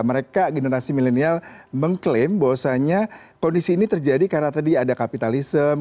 mereka generasi milenial mengklaim bahwasannya kondisi ini terjadi karena tadi ada kapitalisme